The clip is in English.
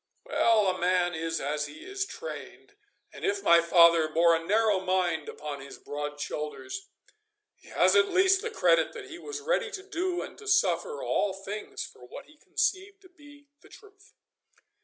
Well, a man is as he is trained, and if my father bore a narrow mind upon his broad shoulders, he has at least the credit that he was ready to do and to suffer all things for what he conceived to be the truth.